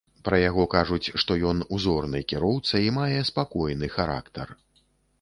Пра яго кажуць, што ён узорны кіроўца і мае спакойны характар.